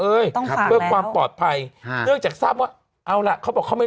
เอ้ยเพื่อความปลอดภัยครับอือเนื่องจากทราบว่าเอาล่ะเขาบอกเขาไม่